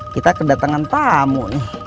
kita kedatangan tamu